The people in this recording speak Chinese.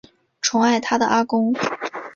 宠爱她的阿公